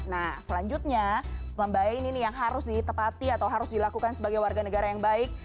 nah selanjutnya membahayain ini yang harus ditepati atau harus dilakukan sebagai warga negara yang baik